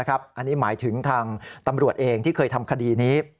อันนี้หมายถึงทางตำรวจเองที่เคยทำคดีนี้